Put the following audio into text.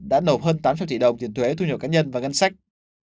đã nộp hơn tám trăm linh tỷ đồng tiền thuế thu nhập cá nhân và ngân sách